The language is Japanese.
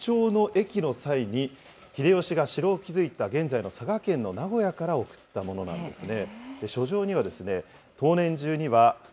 文禄・慶長の役の際に、秀吉が城を築いた現在の佐賀県の名護屋から送ったものなんですね。